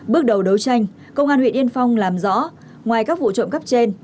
bước đầu đấu tranh công an huyện yên phong làm rõ ngoài các vụ trộm cắp trên